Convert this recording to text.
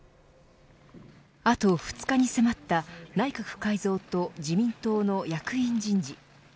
あと２日に迫った内閣改造と自民党の役員人事。